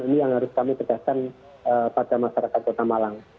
ini yang harus kami tegaskan pada masyarakat kota malang